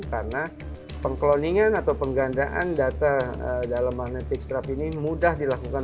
karena pengkloningan atau penggandaan data dalam magnetic stripe ini mudah dilakukan